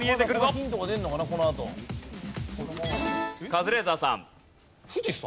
カズレーザーさん。